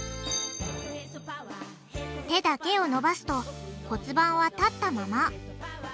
手だけを伸ばすと骨盤は立ったまま。